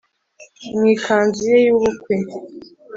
mu ikanzu ye yubukwe